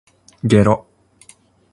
げろ